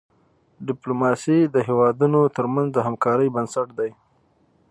ډيپلوماسي د هیوادونو ترمنځ د همکاری بنسټ دی.